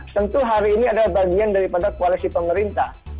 tentu hari ini adalah bagian daripada koalisi pemerintah